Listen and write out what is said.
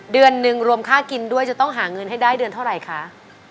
เดือนหนึ่งรวมค่ากินด้วยจะต้องหาเงินให้ได้เดือนเท่าไหร่คะ